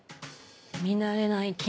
見慣れない菌？